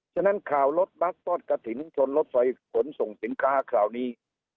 ฉะนั้นข่าวรถบัสทอดกระถิ่นชนรถไฟขนส่งสินค้าคราวนี้